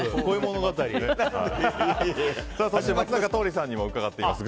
そして、松坂桃李さんにも伺っています。